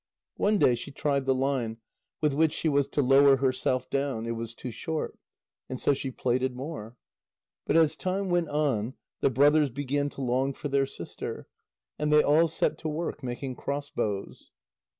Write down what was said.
One day she tried the line, with which she was to lower herself down; it was too short. And so she plaited more. But as time went on, the brothers began to long for their sister. And they all set to work making crossbows.